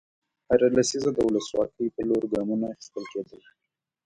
هره لسیزه د ولسواکۍ په لور ګامونه اخیستل کېدل.